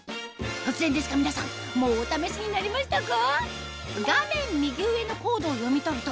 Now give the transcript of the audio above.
突然ですが皆さんもうお試しになりましたか？